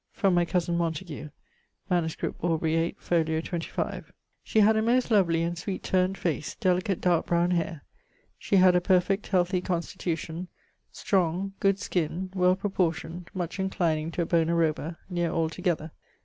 From my cosen Montague. MS. Aubr. 8, fol. 25. She had a most lovely and sweet turn'd face, delicate darke browne haire. She had a perfect healthy constitution; strong; good skin; well proportioned; much enclining to a Bona Roba (near altogether).